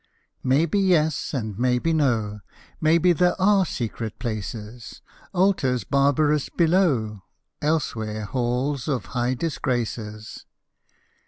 Maybe yes, and maybe no, Maybe there are secret places, Altars barbarous below, Elsewhere halls of high disgraces.